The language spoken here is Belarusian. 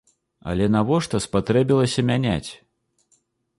Але навошта спатрэбілася мяняць?